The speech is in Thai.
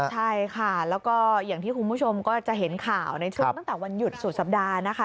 ใช่ค่ะแล้วก็อย่างที่คุณผู้ชมก็จะเห็นข่าวในช่วงตั้งแต่วันหยุดสุดสัปดาห์นะคะ